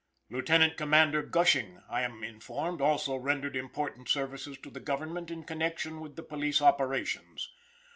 Lieutenant Commander Gushing, I am informed, also rendered important services to the government in connection with the police operations.